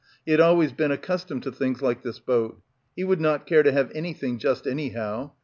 He had always been accustomed to things like this boat. He would not care to have anything just anyhow.